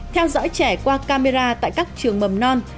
theo dõi trẻ qua camera tại các trường mầm non